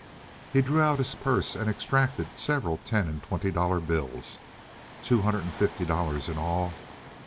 He drew out his purse and extracted several ten and twenty dollar bills—two hundred and fifty dollars in all.